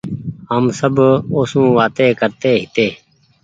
هم سب اوسون وآتي ڪرتي هيتي